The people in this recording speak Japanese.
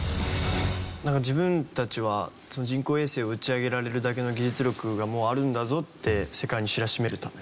自分たちは人工衛星を打ち上げられるだけの技術力がもうあるんだぞって世界に知らしめるため。